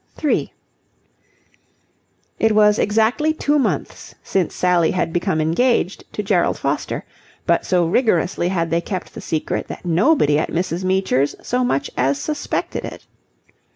3 It was exactly two months since Sally had become engaged to Gerald Foster; but so rigorously had they kept the secret that nobody at Mrs. Meecher's so much as suspected it.